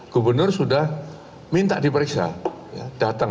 gubernur sudah minta diperiksa datang